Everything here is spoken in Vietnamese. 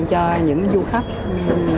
cho những du khách